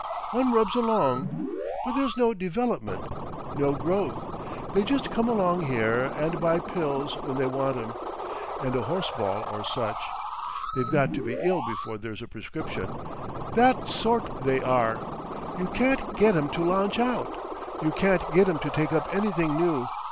one rubs along. But there's no Development—no growth. They just come along here and buy pills when they want 'em—and a horseball or such. They've got to be ill before there's a prescription. That sort they are. You can't get 'em to launch out, you can't get 'em to take up anything new.